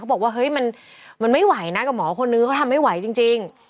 บอกว่าเฮ้ยมันไม่ไหวนะกับหมอคนนึงเขาทำไม่ไหวจริง